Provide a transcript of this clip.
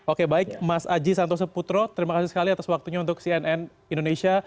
oke baik mas aji santoso putro terima kasih sekali atas waktunya untuk cnn indonesia